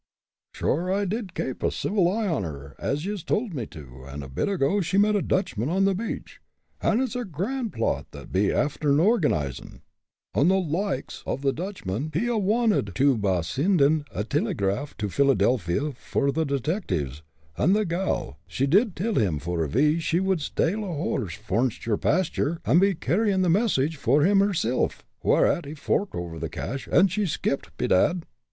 "Sure I did kape a civil eye on her, as yez told me to, and a bit ago she met a Dutchman on the beach, an' it's a grand plot tha be afther organizin'. The loikes av the Dutchman he ha wanted to ba sindin' a tiligraph missage to Philadelphia for tha detectives, an tha gal she did till him for a V she would stale a horse forninst your pasture an' be carryin' the missage for him hersilf, whereat he forked over the cash, and she skipped, bedad!"